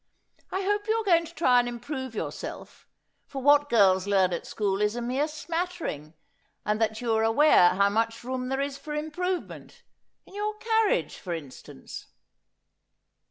' I hope you are going to try to improve your self — for what girls learn at school is a mere smattering — and that you are aware how much room there is for improvement — in your carriage, for instance.'